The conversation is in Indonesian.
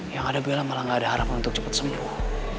yang ada bilang malah gak ada harapan untuk cepat sembuh